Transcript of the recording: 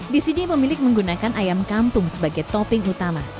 di sini pemilik menggunakan ayam kampung sebagai topping utama